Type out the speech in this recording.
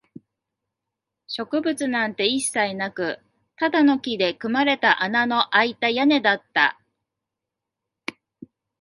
植物なんて一切なく、ただの木で組まれた穴のあいた屋根だった